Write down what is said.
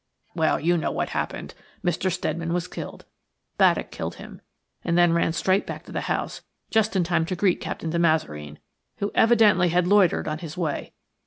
"Well! you know what happened. Mr. Steadman was killed. Baddock killed him, and then ran straight back to the house, just in time to greet Captain de Mazareen, who evidently had loitered on his way.